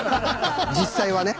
実際はね